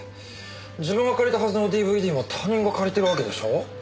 自分が借りたはずのＤＶＤも他人が借りてるわけでしょう。